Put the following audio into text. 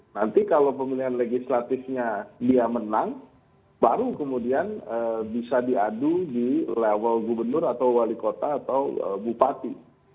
nanti kalau pemilihan legislatifnya dia menang baru kemudian bisa diadu di level gubernur atau wali kota atau bupati